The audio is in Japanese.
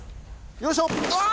よいしょ。